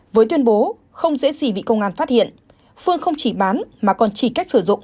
với tuyên bố không dễ gì bị công an phát hiện phương không chỉ bán mà còn chỉ cách sử dụng